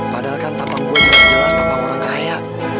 padahal kan tapang gue jelas tapang orang kaya